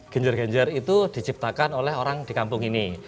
genjer genjer itu diciptakan oleh orang di kampung ini